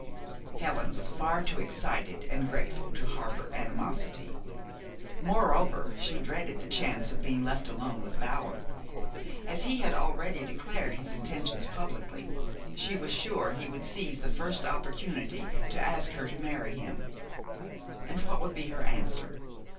Helen was far too excited and grateful to harbor animosity. Moreover, she dreaded the chance of being left alone with Bower. As he had already declared his intentions publicly, she was sure he would seize the first opportunity to ask her to marry him. And what would be her answer?